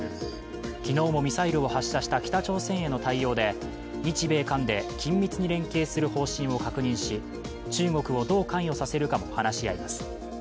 昨日もミサイルを発射した北朝鮮への対応で、日米韓で緊密に連携する方針を確認し中国をどう関与させるかも話し合います。